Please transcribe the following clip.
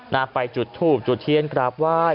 นาคไปจุดทูปจุดเทียนกราบว่าย